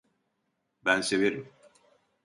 Ben severim.